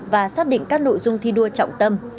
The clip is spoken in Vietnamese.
và xác định các nội dung thi đua trọng tâm